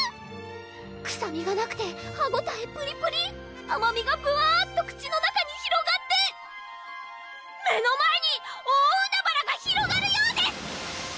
くさみがなくて歯ごたえプリプリあまみがぶわーっと口の中にひろがって目の前に大海原がひろがるようです！